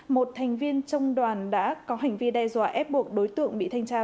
một thành viên trong đoàn đã có hành vi đe dọa ép buộc đối tượng bị thanh tra